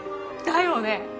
だよね！